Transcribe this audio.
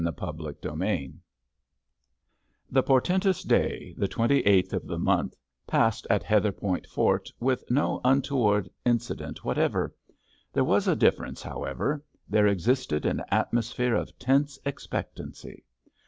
CHAPTER XXXII The portentous day, the twenty eighth of the month, passed at Heatherpoint Fort with no untoward incident whatever. There was a difference, however; there existed an atmosphere of tense expectancy.